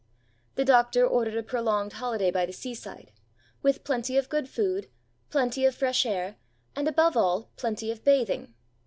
The doctor ordered a prolonged holiday by the seaside, with plenty of good food, plenty of fresh air, and, above all, plenty of bathing.